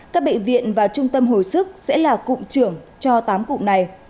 các bệnh viện và trung tâm hồi sức sẽ là cụm trưởng cho tám cụm này